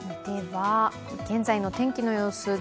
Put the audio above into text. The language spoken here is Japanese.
現在の天気の様子